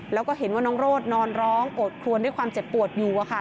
แล้วก็เห็นว่าน้องโรดนอนร้องโอดคลวนด้วยความเจ็บปวดอยู่